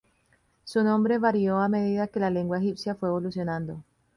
Su nombre varió a medida que la lengua egipcia fue evolucionando.